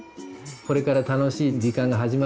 「これから楽しい時間が始まるよ」